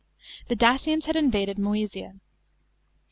The Daciaus had invaded Moesia.